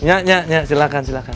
ya ya ya silahkan silahkan